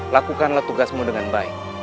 lakukanlah tugasmu dengan baik